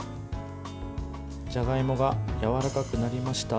じゃがいもがやわらかくなりました。